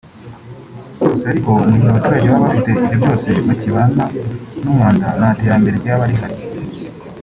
Gusa ariko mu gihe abaturage baba bafite ibyo byose bakibana n’umwanda nta terambere ryaba rihari